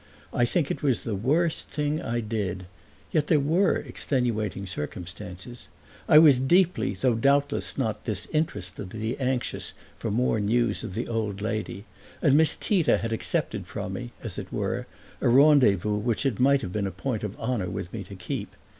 I think it was the worst thing I did; yet there were extenuating circumstances. I was deeply though doubtless not disinterestedly anxious for more news of the old lady, and Miss Tita had accepted from me, as it were, a rendezvous which it might have been a point of honor with me to keep.